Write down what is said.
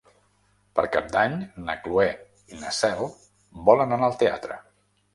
Per Cap d'Any na Cloè i na Cel volen anar al teatre.